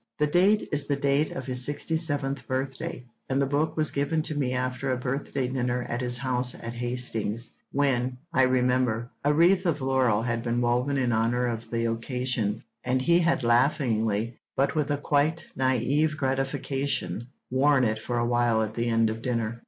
The date is the date of his sixty seventh birthday, and the book was given to me after a birthday dinner at his house at Hastings, when, I remember, a wreath of laurel had been woven in honour of the occasion, and he had laughingly, but with a quite naïve gratification, worn it for a while at the end of dinner.